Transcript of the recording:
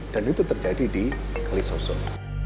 dan itu terjadi di kalisosok